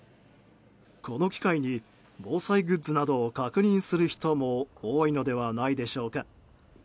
この機会に防災グッズなどを確認する人も多いのではないでしょうか。